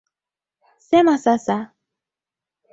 Sema sasa.